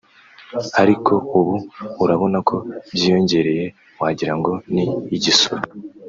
ariko ubu urabona ko byiyongereye wagira ngo ni igisoro